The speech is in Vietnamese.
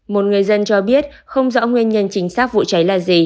một người dân cho biết không rõ nguyên nhân chính xác vụ cháy là gì